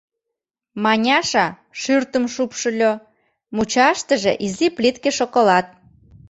Маняша шӱртым шупшыльо — мучаштыже изи плитке шоколад.